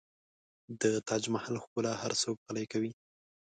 د تاج محل ښکلا هر څوک غلی کوي.